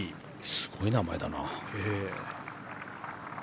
すごい名前だな。